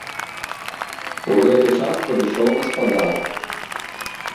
У гэты час падышоў гаспадар.